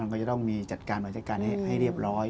ก็จะต้องมีจัดการมาจัดการให้เรียบร้อย